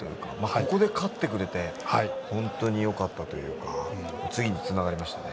ここで勝ってくれて本当によかったというか次につながりましたね。